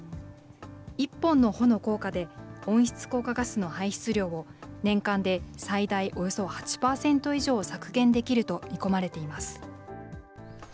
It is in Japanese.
１本の帆の効果で温室効果ガスの排出量を年間で最大およそ８％以上削減できると見込まれています。